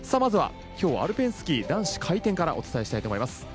今日は男子アルペンスキー男子回転からお伝えしたいと思います。